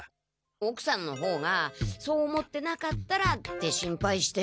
おくさんの方がそう思ってなかったらって心配して。